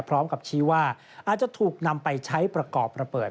พร้อมกับชี้ว่าอาจจะถูกนำไปใช้ประกอบระเบิด